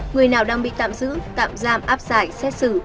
người nào đang bị tạm giữ tạm giam áp giải xét xử